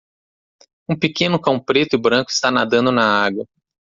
Um pequeno cão preto e branco está nadando na água.